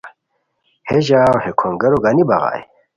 ہے ژاؤ ہے کھونگیرو گانی بغائے